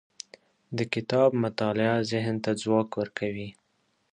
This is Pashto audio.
د کتاب مطالعه ذهن ته ځواک ورکوي.